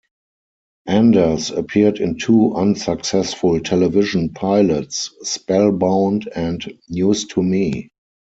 Anders appeared in two unsuccessful television pilots, "Spellbound" and "News To Me".